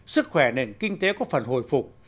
sức khỏe nền kinh tế có phần hồi phục